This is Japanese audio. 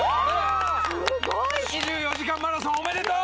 ２４時間マラソンおめでとう。